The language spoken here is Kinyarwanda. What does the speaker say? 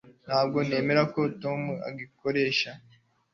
Ntabwo nemera ko Tom agikoresha